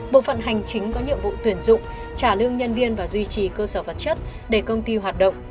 bộ phận hành chính có nhiệm vụ tuyển dụng trả lương nhân viên và duy trì cơ sở vật chất để công ty hoạt động